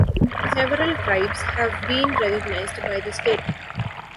Several tribes have been recognized by the state.